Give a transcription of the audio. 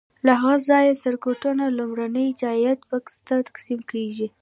له هغه ځایه سرکټونو لومړني جاینټ بکس ته تقسیم کېږي.